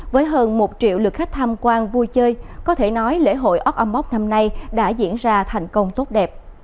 với hơn một triệu lượt khách tham quan vui chơi có thể nói lễ hội ốc âm bốc năm nay đã diễn ra thành công tốt đẹp